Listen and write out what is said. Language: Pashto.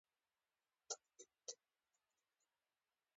اوړي د افغانستان د پوهنې نصاب کې شامل دي.